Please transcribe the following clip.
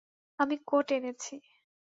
আমি কোট এনেছি।